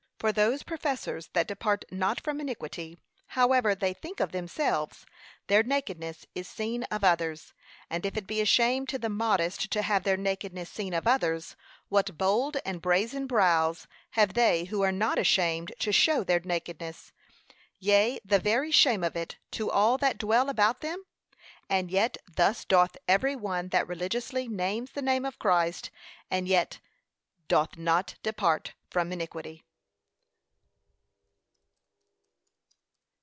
For those professors that depart not from iniquity, however they think of themselves, their nakedness is seen of others: and if it be a shame to the modest to have their nakedness seen of others, what bold and brazen brows have they who are not ashamed to show their nakedness, yea, the very shame of it, to all that dwell about them? And yet thus doth every one that religiously names the name of Christ, and yet doth not depart from iniquity.